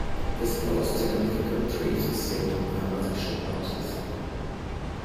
This caused significant rifts among the Opposition parties.